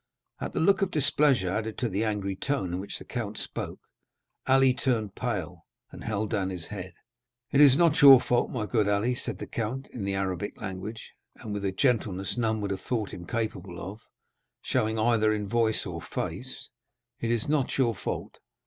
At the look of displeasure, added to the angry tone in which the count spoke, Ali turned pale and held down his head. "It is not your fault, my good Ali," said the count in the Arabic language, and with a gentleness none would have thought him capable of showing, either in voice or face—"it is not your fault.